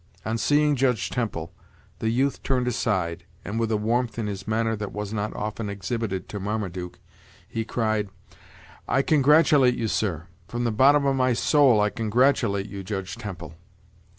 On seeing judge Temple, the youth turned aside, and with a warmth in his manner that was not often exhibited to Marmaduke, he cried: "I congratulate you, sir; from the bottom of my soul, I congratulate you, Judge Temple.